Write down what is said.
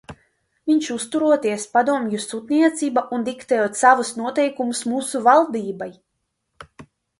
Viņš uzturoties Padomju sūtniecībā un diktējot savus noteikumus mūsu valdībai.